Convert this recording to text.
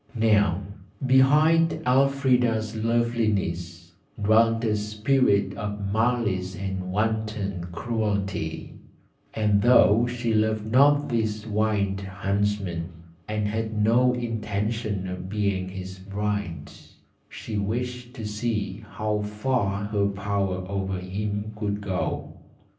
Now behind Elfrida's loveliness dwelt a spirit of malice and wanton cruelty, and though she loved not this wild Huntsman, and had no intention of being his bride, she wished to see how far her power over him could go.